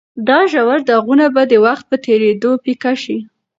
دا ژور داغونه به د وخت په تېرېدو پیکه شي.